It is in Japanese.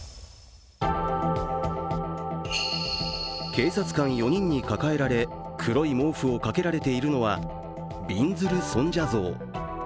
警察官４人に抱えられ黒い毛布をかけられているのは、びんずる尊者像。